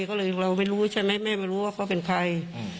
ก็เลยเราไม่รู้ใช่ไหมแม่ไม่รู้ว่าเขาเป็นใคร